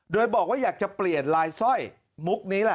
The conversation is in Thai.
โดยบอกว่าอยากจะเปลี่ยนลายสร้อยมุกนี้แหละ